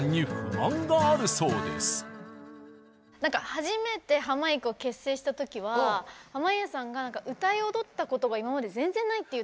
初めてハマいくを結成した時は濱家さんが歌い踊ったことが今まで全然ないって言ってたんですよ。